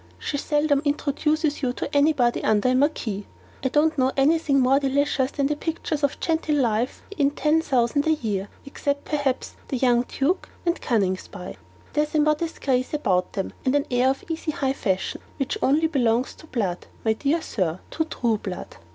She seldom introduces you to anybody under a marquis! I don't know anything more delicious than the pictures of genteel life in 'Ten Thousand a Year,' except perhaps the 'Young Duke,' and 'Coningsby.' There's a modest grace about THEM, and an air of easy high fashion, which only belongs to blood, my dear Sir to true blood.